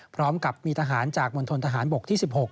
พร้อมกับมีทหารจากมณฑนทหารบกที่๑๖